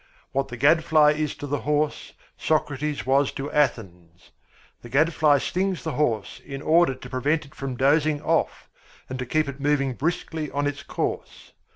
What the gadfly is to the horse Socrates was to Athens. The gadfly stings the horse in order to prevent it from dozing off and to keep it moving briskly on its course.